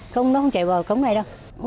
không nó không chảy vào cống này đâu